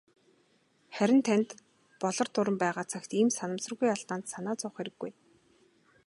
Харин танд "Болор дуран" байгаа цагт ийм санамсаргүй алдаанд санаа зовох хэрэггүй.